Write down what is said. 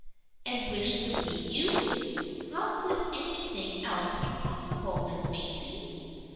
"And wished to meet you? How could any thing else be possible, Miss Macy